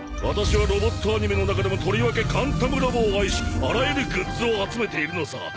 ワタシはロボットアニメの中でもとりわけカンタムロボを愛しあらゆるグッズを集めているのさ。